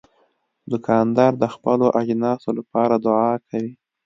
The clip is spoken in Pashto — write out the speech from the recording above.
دوکاندار د خپلو اجناسو لپاره دعا کوي.